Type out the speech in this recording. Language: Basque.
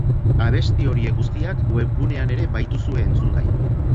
Abesti horiek guztiak webgunean ere baituzue entzungai.